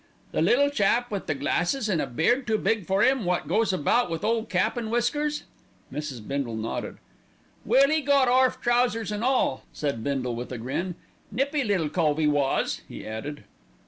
"The little chap with the glasses an' a beard too big for 'im, wot goes about with Ole Cap an' Whiskers?" Mrs. Bindle nodded. "Well, 'e got orf, trousers an' all," said Bindle with a grin. "Nippy little cove 'e was," he added.